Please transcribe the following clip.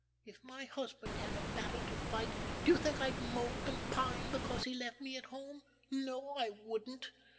If my husband had a battle to fight, do you think I'd mope and pine because he left me at home; no I wouldn't.